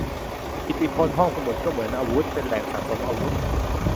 กิตติพล : ห้องสมุดก็เหมือนอาวุธ เป็นแหล่งสะสมอาวุธ